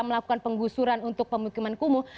melakukan penggusuran untuk pemukiman kumuh